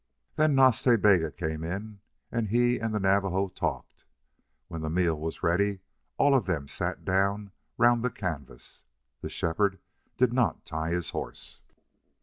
Then Nas Ta Bega came in, and he and the Navajo talked. When the meal was ready all of them sat down round the canvas. The shepherd did not tie his horse.